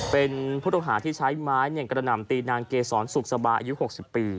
เป็นผู้ต้องหาที่ใช้ไม้กระหน่ำตีนางเกษรสุขสบายอายุ๖๐ปี